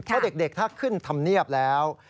เพราะเด็กถ้าขึ้นธรรมเนียบแล้ว